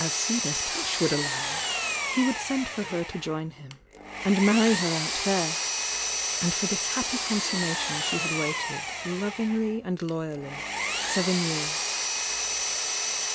«.on as Ih would allow," he would send for her tojoin hu^ and marry her out there, and for th« happy con summation she had waited lovingly and loyally, seven years.